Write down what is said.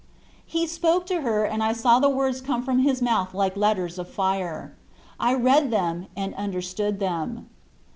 He spoke to her, and I saw the words come from his mouth like letters of fire. I read them and understood them.